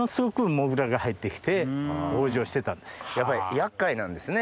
やっぱり厄介なんですね？